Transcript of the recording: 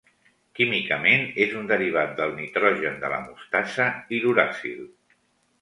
Químicament és un derivat del nitrogen de la mostassa i l'uracil.